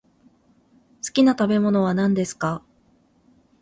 好きな食べ物は何ですか？